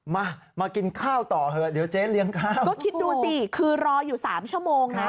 มามากินข้าวต่อเถอะเดี๋ยวเจ๊เลี้ยงข้าวก็คิดดูสิคือรออยู่สามชั่วโมงนะ